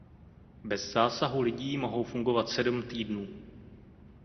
Bez zásahu lidí mohou fungovat sedm týdnů.